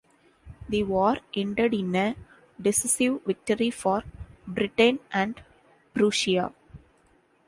The war ended in a decisive victory for Britain and Prussia.